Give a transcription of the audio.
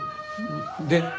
で？